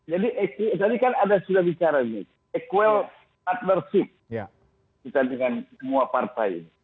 jadi tadi kan ada sudah bicara ini equal partnership kita dengan semua partai